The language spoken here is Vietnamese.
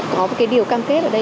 có một điều cam kết